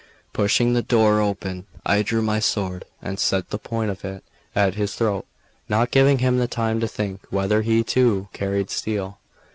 Pushing the door open, I drew my sword, and set the point of it at his throat, not giving him the time to think whether he too carried steel.